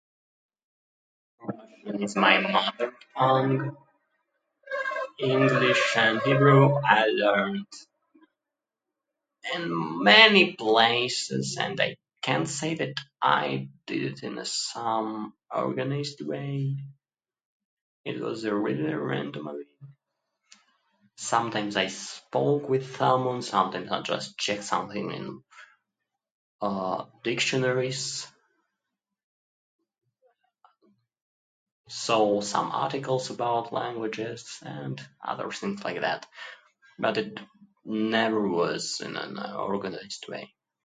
Russian is my mother tongue. English and Hebrew I learned in many places and I can't say that I did in some organized way. It was a really random way. Sometimes I spoke with someone, sometimes I'll just check something in, uh, dictionaries. Saw some articles about languages and other things like that. But it never was in an organized way.